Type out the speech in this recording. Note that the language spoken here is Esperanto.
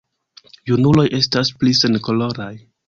Junuloj estas pli senkoloraj.